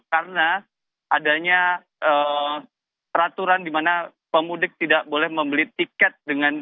karena adanya peraturan di mana pemudik tidak boleh membeli tiket